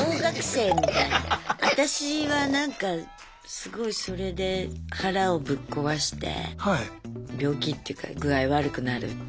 私はなんかすごいそれで腹をぶっ壊して病気っていうか具合悪くなるとか。